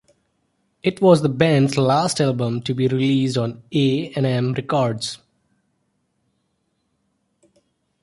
It was the band's last album to be released on A and M Records.